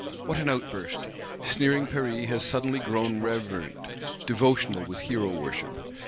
What an outburst! Sneering Paris has suddenly grown reverent; devotional with Hero worship.